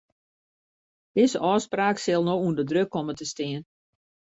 Dizze ôfspraak sil no ûnder druk komme te stean.